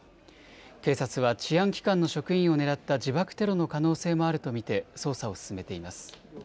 警察は治安機関の職員を狙った自爆テロの可能性もあると見て捜査を進めています。